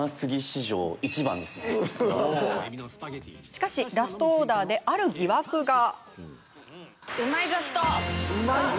しかし、ラストオーダーである疑惑が。